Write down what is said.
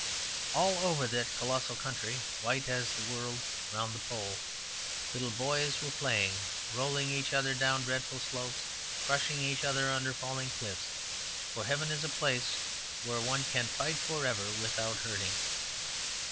All over that colossal country, white as the world round the Pole, little boys were playing, rolling each other down dreadful slopes, crushing each other under falling cliffs; for heaven is a place where one can fight for ever without hurting.